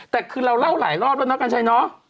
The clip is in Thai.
แต่คือเราเล่าหลายรอบแล้วนะกัญชัยเนาะ